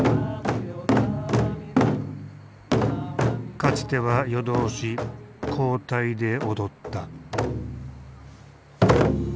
かつては夜通し交代で踊った。